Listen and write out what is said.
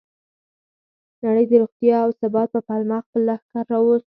نړۍ د روغتیا او ثبات په پلمه خپل لښکر راوست.